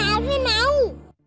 ya alvin mau